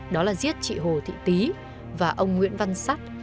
đó là giết chị hồ thị tí và ông nguyễn văn sắt